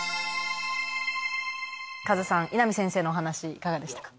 カズさん稲見先生のお話いかがでしたか？